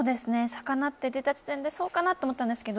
魚って出た時点でそうかなと思ったんですけど